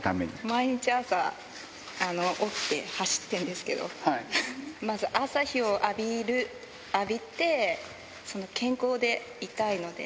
毎日朝、起きて走ってんですけど、まず朝日を浴びる、浴びて、健康でいたいので。